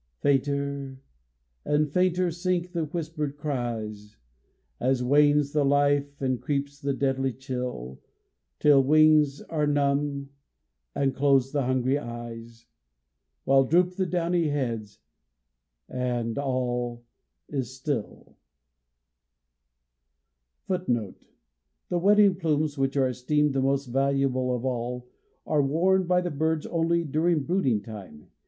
Fainter and fainter sink the whispered cries, As wanes the life and creeps the deadly chill, Till wings are numb, and closed the hungry eyes, While droop the downy heads, and all is still. Footnote: The wedding plumes, which are esteemed the most valuable of all, are worn by the birds only during brooding time.